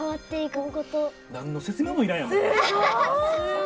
何の説明もいらんやんもう。